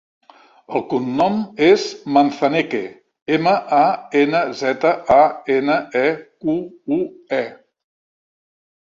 El cognom és Manzaneque: ema, a, ena, zeta, a, ena, e, cu, u, e.